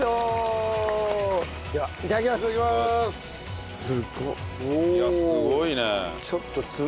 いただきます。